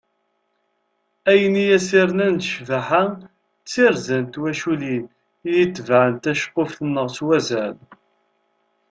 Ayen i as-yernan ccbaḥa d tirza n twaculin i itebɛen taceqquft-nneɣ s wazal.